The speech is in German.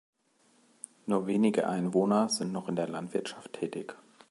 Nur wenige Einwohner sind noch in der Landwirtschaft tätig.